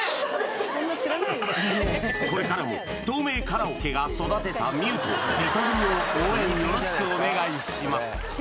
これからも透明カラオケが育てたｍｉｙｏｕとリトグリを応援よろしくお願いします